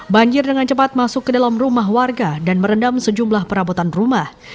banjir dengan cepat masuk ke dalam rumah warga dan merendam sejumlah perabotan rumah